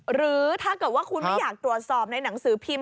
หรือถ้าเกิดว่าคุณไม่อยากตรวจสอบในหนังสือพิมพ์